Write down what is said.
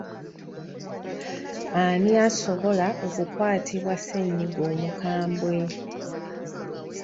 Ani asobola okukwatibwa ssennyiga omukambwe?